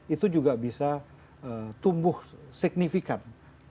itu juga bisa tumbuh signifikan